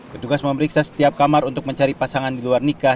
petugas memeriksa setiap kamar untuk mencari pasangan di luar nikah